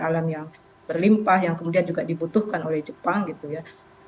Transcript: alam yang berlimpah yang kemudian juga dibutuhkan oleh jepang gitu ya